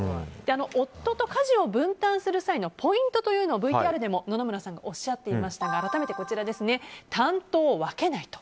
夫と家事を分担する際のポイントというのをＶＴＲでおっしゃっていましたが担当を分けないと。